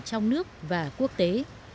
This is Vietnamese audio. trong nước và quốc tế